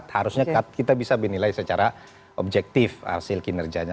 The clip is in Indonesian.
harusnya kita bisa bernilai secara objektif hasil kinerjanya